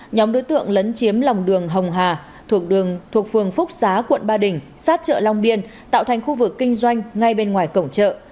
nhóm đối tượng lấn chiếm lòng đường hồng hà thuộc phường phúc xá quận ba đình sát chợ long biên tạo thành khu vực kinh doanh ngay bên ngoài cổng chợ